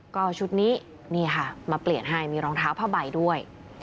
ก็ชุดนี้นี่ค่ะมาเปลี่ยนให้มีรองเท้าผ้าใบด้วย